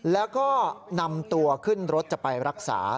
แล้วก็นำตัวขึ้นรถจะไปรักษา